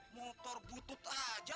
motor butut aja